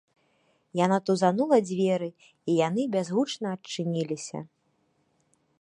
Яна тузанула дзверы, і яны бязгучна адчыніліся.